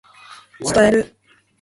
伝える